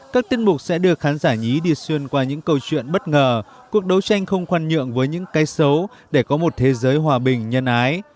các tin mục sẽ được khán giả nhí đi xuyên qua những câu chuyện bất ngờ cuộc đấu tranh không khoăn nhượng với những cây xấu để có một thế giới hòa bình nhân ái